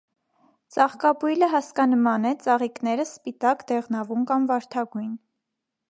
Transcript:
Ծաղկաբույլը հասկանման է, ծաղիկները՝ սպիտակ, դեղնավուն կամ վարդագույն։